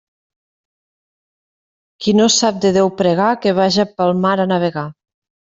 Qui no sap de Déu pregar, que vaja pel mar a navegar.